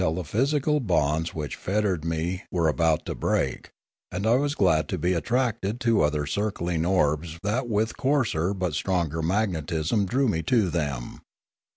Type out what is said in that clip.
the physical bonds which fettered me were about to break, and I was glad to be attracted to other circling orbs that with coarser but stronger magnetism drew me to them.